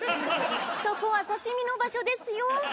そこは刺身の場所ですよ！